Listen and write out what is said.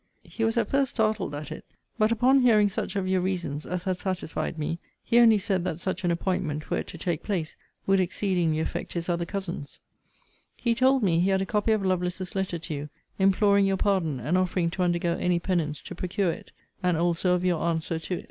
He was at first startled at it: but, upon hearing such of your reasons as had satisfied me, he only said that such an appointment, were it to take place, would exceedingly affect his other cousins. He told me, he had a copy of Lovelace's letter to you, imploring your pardon, and offering to undergo any penance to procure it;* and also of your answer to it. * See Vol. VII. Letter LXXIX. Ibid.